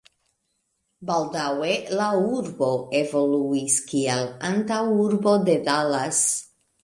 Baldaŭe la urbo evoluis, kiel antaŭurbo de Dallas.